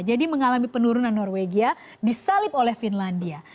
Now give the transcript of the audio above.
jadi mengalami penurunan norwegia disalib oleh finlandia